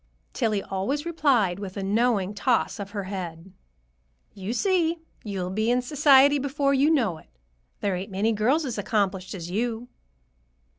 Tillie always replied with a knowing toss of her head, "You see! You'll be in society before you know it. There ain't many girls as accomplished as you."